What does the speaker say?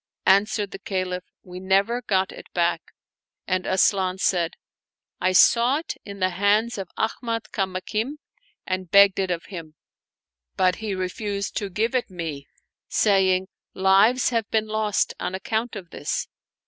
Answered the Caliph, " We never got it back ;" and Asian said, '* I saw it in the hands of Ahmad Kamakim and begged it of him; but he refused to give it me, saying: Lives have been lost on account of this.